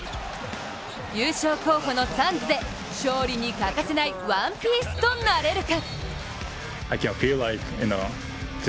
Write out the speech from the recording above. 優勝候補のサンズで勝利に欠かせない１ピースとなれるか。